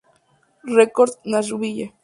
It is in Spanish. Records Nashville.